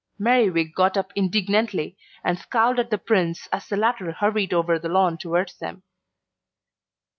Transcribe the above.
Merriwig got up indignantly and scowled at the Prince as the latter hurried over the lawn towards them.